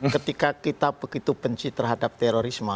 ketika kita begitu benci terhadap terorisme